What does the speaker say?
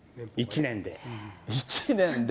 １年で。